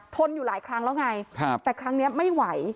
อยู่หลายครั้งแล้วไงแต่ครั้งนี้ไม่ไหว